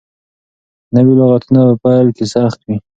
نوي لغتونه په پيل کې سخت وي.